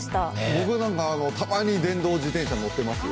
僕、たまに電動自転車乗ってますよ。